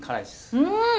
うん！